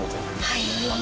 はい。